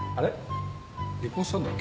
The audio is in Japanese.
離婚したんだっけ？